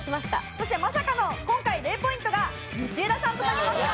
そしてまさかの今回０ポイントが道枝さんとなりました。